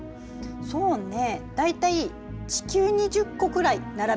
そうね大体地球２０個くらい並べた大きさかしら。